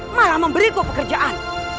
malah memberiku pekerjaan